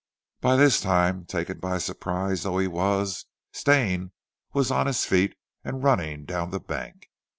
By this time, taken by surprise though he was, Stane was on his feet, and running down the bank.